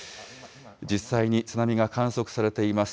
実際に津波が観測されています。